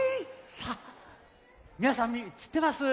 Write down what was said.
さあみなさんしってます？